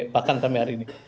bahkan sampai hari ini